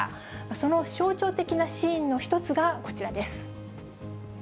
その象徴的なシーンの１つがこちらです。